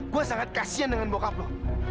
gue sangat kasihan dengan bokap lu